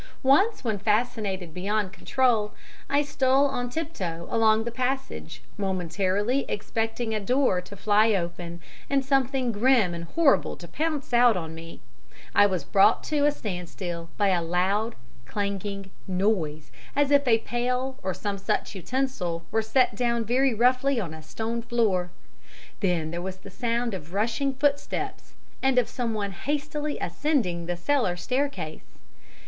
Once, when fascinated beyond control, I stole on tiptoe along the passage, momentarily expecting a door to fly open and something grim and horrible to pounce out on me, I was brought to a standstill by a loud, clanging noise, as if a pail or some such utensil were set down very roughly on a stone floor. Then there was the sound of rushing footsteps and of someone hastily ascending the cellar staircase.